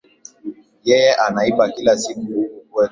Yeye anaiba kila siku huku kwetu